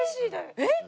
えっ！？